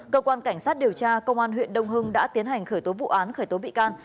cơ quan cảnh sát điều tra công an huyện đông hưng đã tiến hành khởi tố vụ án khởi tố bị can